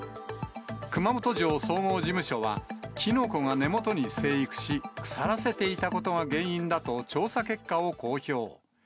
熊本城総合事務所は、キノコが根元に生育し、腐らせていたことが原因だと、調査結果を公表。